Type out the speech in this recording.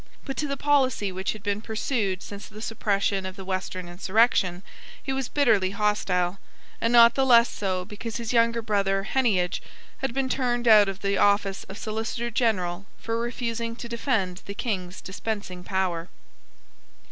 But to the policy which had been pursued since the suppression of the Western insurrection he was bitterly hostile, and not the less so because his younger brother Heneage had been turned out of the office of Solicitor General for refusing to defend the King's dispensing power.